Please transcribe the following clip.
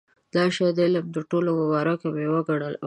دا شی د علم تر ټولو مبارکه مېوه وګڼله.